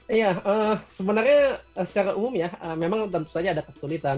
iya sebenarnya secara umum ya memang tentu saja ada kesulitan